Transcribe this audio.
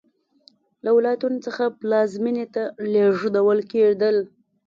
له ولایتونو څخه پلازمېنې ته لېږدول کېدل